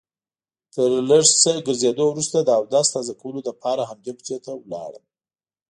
تر لږ څه ګرځېدو وروسته د اودس تازه کولو لپاره همدې کوڅې ته لاړم.